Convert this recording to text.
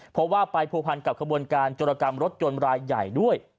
เพราะว่าไปผัวพันกับขบวนการจรกรรมรถยนต์รายใหญ่ด้วย